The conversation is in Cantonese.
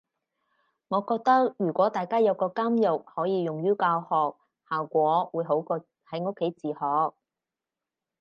我覺得如果大家有個監獄可以用於教學，效果會好過喺屋企自學